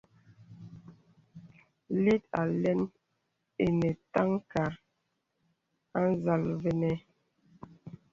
Lít àlə̀n enə tànka à nzàl vənə.